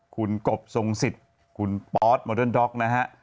คุณกบทรงสิทธิ์คุณปอสโมเดิร์นด็อกนะฮะ